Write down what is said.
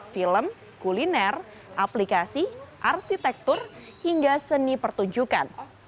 film kuliner aplikasi arsitektur hingga seni pertunjukan